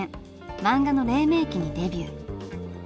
漫画のれい明期にデビュー。